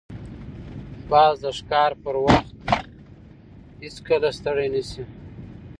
باز د ښکار پر وخت هیڅکله ستړی نه شي